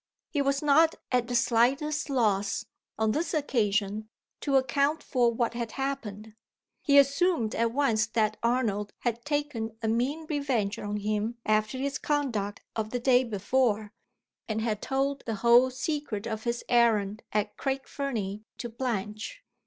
He was not at the slightest loss, on this occasion, to account for what had happened. He assumed at once that Arnold had taken a mean revenge on him after his conduct of the day before, and had told the whole secret of his errand at Craig Fernie to Blanche.